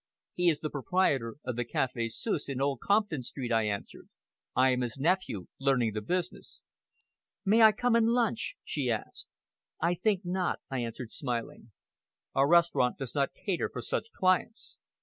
"He is the proprietor of the Café Suisse in Old Compton Street," I answered. "I am his nephew learning the business." "May I come and lunch?" she asked. "I think not," I answered, smiling. "Our restaurant does not cater for such clients."